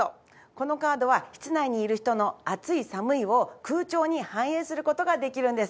このカードは室内にいる人の「暑い」「寒い」を空調に反映する事ができるんです！